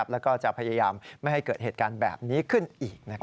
แล้วก็จะพยายามไม่ให้เกิดเหตุการณ์แบบนี้ขึ้นอีก